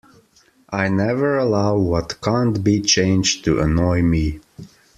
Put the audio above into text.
I never allow what can't be changed to annoy me.